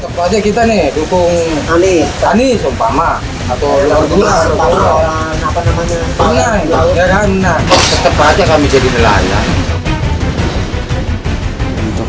tetap aja kita nih dukung aneh aneh sumpama atau luar jual apa namanya